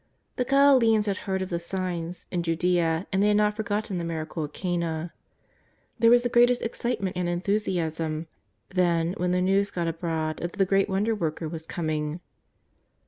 The Galileans had heard of the " signs " in Judea and they had not forgotten the miracle at Cana. There was the greatest excitement and enthusiasm then when the news got abroad that the great Wonderworker was coming.